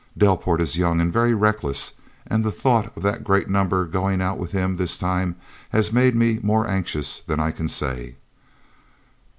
Delport is young and very reckless, and the thought of the great number going out with him this time has made me more anxious than I can say."